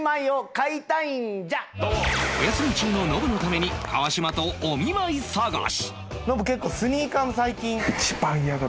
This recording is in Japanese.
お休み中のノブのために川島とお見舞い探し！